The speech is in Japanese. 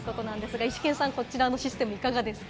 イシケンさん、このシステムいかがですか？